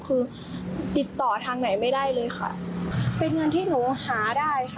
คือติดต่อทางไหนไม่ได้เลยค่ะเป็นเงินที่หนูหาได้ค่ะ